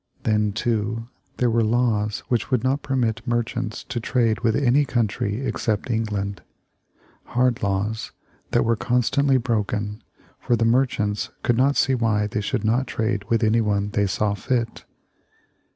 Then, too, there were laws which would not permit merchants to trade with any country except England; hard laws, that were constantly broken, for the merchants could not see why they should not trade with anyone they saw fit.